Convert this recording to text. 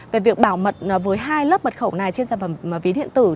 về việc bảo mật với hai lớp mật khẩu này trên sản phẩm ví điện tử